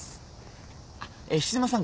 あっ菱沼さん